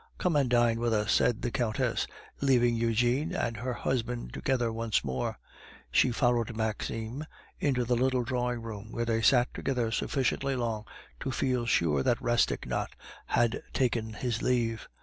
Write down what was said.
"Come and dine with us," said the Countess, leaving Eugene and her husband together once more. She followed Maxime into the little drawing room, where they sat together sufficiently long to feel sure that Rastignac had taken his leave.